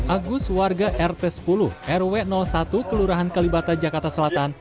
agus warga rt sepuluh rw satu kelurahan kalibata jakarta selatan